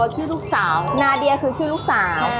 ชื่อลูกสาวนาเดียคือชื่อลูกสาว